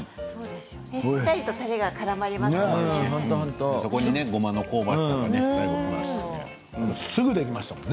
しっかりとたれが、からみますよね。